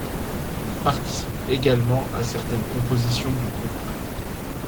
Il participe également à certaines compositions du groupe.